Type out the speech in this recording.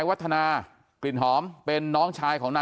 อยู่ดีมาตายแบบเปลือยคาห้องน้ำได้ยังไง